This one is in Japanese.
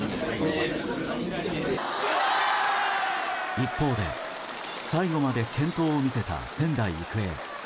一方で最後まで健闘を見せた仙台育英。